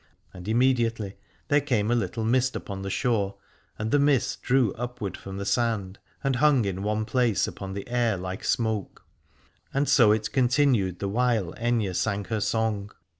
And immediately there came a little mist upon the shore, and the mist drew upward from the sand and hung in one place upon the air like smoke : and so it continued the while Aithne sang her song.